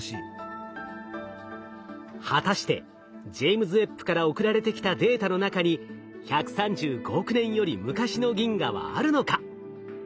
果たしてジェイムズ・ウェッブから送られてきたデータの中に１３５億年より昔の銀河はあるのか？